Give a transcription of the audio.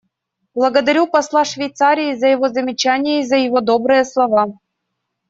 Благодарю посла Швейцарии за его замечания и за его добрые слова.